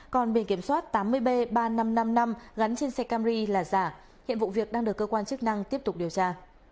còn biển kiểm soát tám mươi b ba nghìn năm trăm năm mươi năm gắn trên xe cam ri là giả hiện vụ việc đang được cơ quan chức năng tiếp tục điều tra